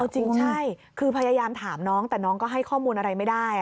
จริงใช่คือพยายามถามน้องแต่น้องก็ให้ข้อมูลอะไรไม่ได้